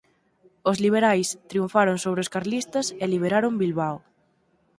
Os liberais triunfaron sobre os carlistas e liberaron Bilbao.